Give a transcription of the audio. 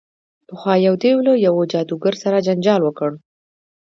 پخوا یو دیو له یوه جادوګر سره جنجال وکړ.